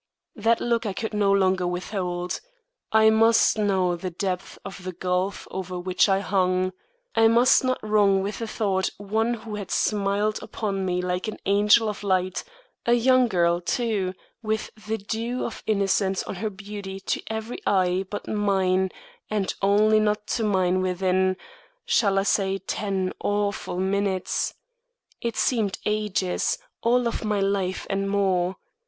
That look I could no longer withhold. I must know the depth of the gulf over which I hung. I must not wrong with a thought one who had smiled upon me like an angel of light a young girl, too, with the dew of innocence on her beauty to every eye but mine and only not to mine within shall I say ten awful minutes? It seemed ages, all of my life and more.